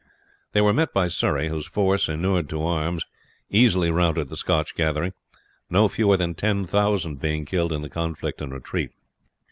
They were met by Surrey, whose force, inured to arms, easily routed the Scotch gathering, no fewer than 10,000 being killed in the conflict and retreat.